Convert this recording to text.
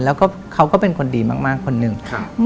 แล้วก็เขาก็เป็นคนดีมากคนหนึ่ง